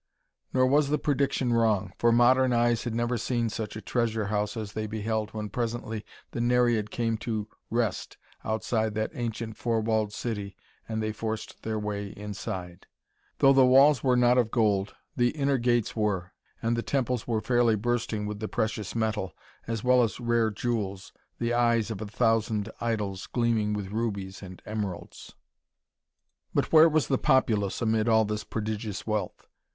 Nor was the prediction wrong, for modern eyes had never seen such a treasure house as they beheld when presently the Nereid came to rest outside that ancient four walled city and they forced their way inside. Though the walls were not of gold, the inner gates were, and the temples were fairly bursting with the precious metal, as well as rare jewels, the eyes of a thousand idols gleaming with rubies and emeralds. But where was the populace, amid all this prodigious wealth?